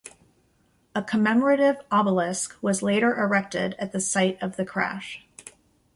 A commemorative obelisk was later erected at the site of the crash.